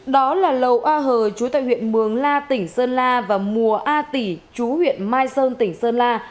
đó là lầu a hờ chú tại huyện mường la tỉnh sơn la và mùa a tỷ chú huyện mai sơn tỉnh sơn la